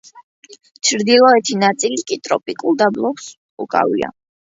ჩრდილოეთი ნაწილი კი ტროპიკულ დაბლობებს უკავია.